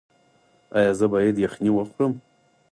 ایا زه باید یخني وخورم؟